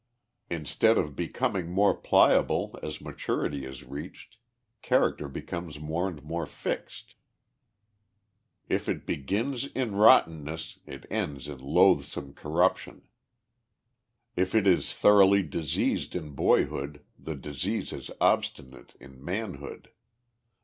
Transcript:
Instead of becoming more pliable as maturity is reached, character becomes more and more fixed. If it begins in rottenness, it ends in loathsome corruption. If it is thoroughly diseased in boyhood, the disease is obstinate in manhood.